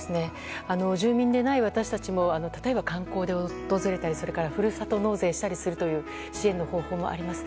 住民でない私たちも観光で訪れたりするからふるさと納税したりする支援の方法もあります。